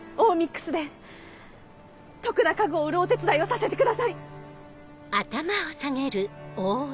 Ｍｉｘで徳田家具を売るお手伝いをさせてください！